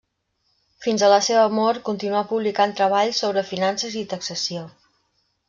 Fins a la seva mort continuà publicant treballs sobre finances i taxació.